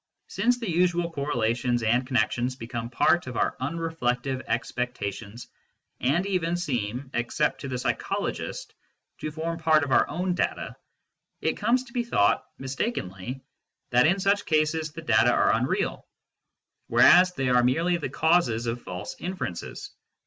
Since the usual correlations and connections become part of our unreflective expectations, and even seem, except to the psychologist, to form part of our data, it comes to be thought, mistakenly, that in such cases the data are un real, whereas they are merely the causes of false infer ences.